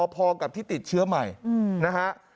พอกับที่ติดเชื้อใหม่นะฮะ